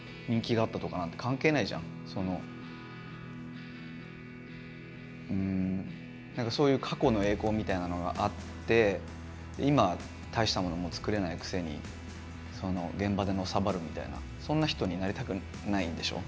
そのうんなんかそういう過去の栄光みたいなのがあって今大したものも作れないくせにその現場でのさばるみたいなそんな人になりたくないでしょ。